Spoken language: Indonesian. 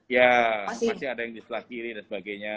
ya pasti ada yang di sebelah kiri dan sebagainya